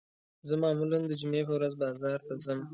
زه معمولاً د جمعې په ورځ بازار ته ځم